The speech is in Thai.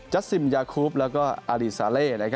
ัสซิมยาคูปแล้วก็อารีซาเล่